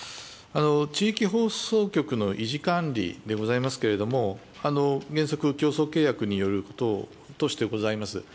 地域放送局の維持・管理でございますけれども、原則競争契約によることとしてございます。